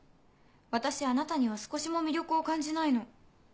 私あなたには少しも魅力を感じないの。